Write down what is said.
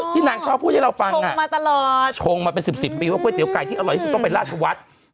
นางชอบพูดให้เราฟังชงมาตลอดชงมาเป็นสิบสิบปีว่าก๋วเตี๋ไก่ที่อร่อยที่สุดต้องเป็นราชวัฒน์